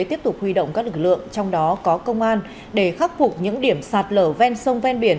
tiếp tục huy động các lực lượng trong đó có công an để khắc phục những điểm sạt lở ven sông ven biển